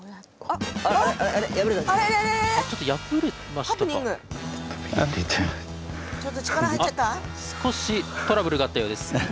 あっ少しトラブルがあったようです。